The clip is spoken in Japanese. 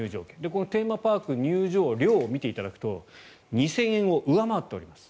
このテーマパーク入場料を見ていただくと２０００円を上回っております。